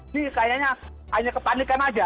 ini sepertinya hanya kepanikan saja